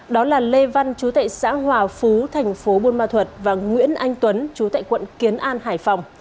đó là lê văn chú tại xã hòa phú tp bunma thuật và nguyễn anh tuấn chú tại quận kiến an hải phòng